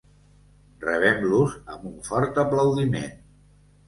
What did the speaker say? Rebem-los amb un fort aplaudiment!